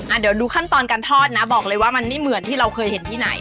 เดี๋ยวดูขั้นตอนการทอดนะบอกเลยว่ามันไม่เหมือนที่เราเคยเห็นที่ไหน